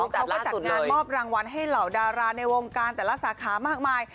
เขาก็จัดงานมอบรางวัลให้เหล่าดาราในวงการแต่ละสาขามากมาย